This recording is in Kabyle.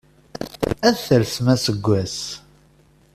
Ad talsem aseggas!